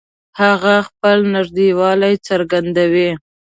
هغه خپل نږدېوالی څرګندوي